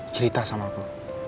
cerita sama aku